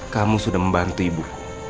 kamu sudah membantu ibu